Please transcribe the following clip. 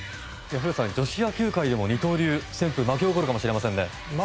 古田さん、女子野球界でも二刀流旋風が巻き起こるかもしれないですね。